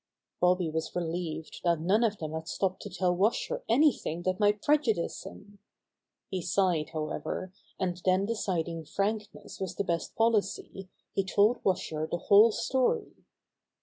Bobby was relieved that none of them had stopped to tell Washer anything that might prejudice him. He sighed, however, and then Bobby Finds Plenty of Help 91 deciding frankness was the best policy he told Washer the whole story.